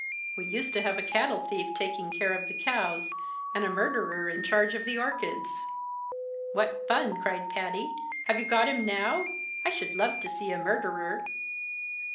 We used to have a cattle thief taking care of the cows, and a murderer in charge of the orchids." "What fun!" cried Patty. "Have you got him now? I should love to see a murderer."